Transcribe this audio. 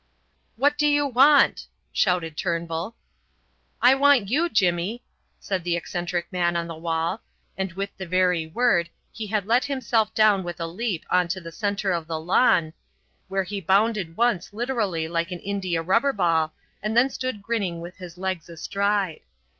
"What do you want?" shouted Turnbull. "I want you, Jimmy," said the eccentric man on the wall, and with the very word he had let himself down with a leap on to the centre of the lawn, where he bounded once literally like an India rubber ball and then stood grinning with his legs astride.